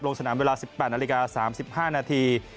ลงสนามเวลา๑๘นาฬิกา๓๕นาที